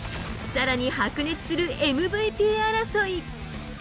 さらに白熱するＭＶＰ争い。